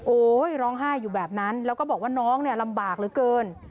ร้องไห้อยู่แบบนั้นแล้วก็บอกว่าน้องเนี่ยลำบากเหลือเกิน